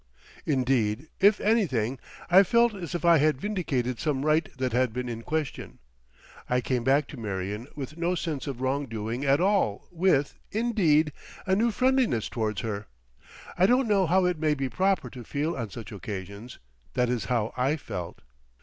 Indeed, if anything, I felt as if I had vindicated some right that had been in question. I came back to Marion with no sense of wrong doing at all with, indeed, a new friendliness towards her. I don't know how it may be proper to feel on such occasions; that is how I felt.